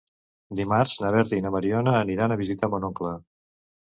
Dimarts na Berta i na Mariona aniran a visitar mon oncle.